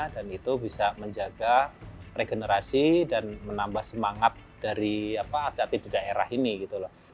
dan itu bisa menjaga regenerasi dan menambah semangat dari atlet atlet di daerah ini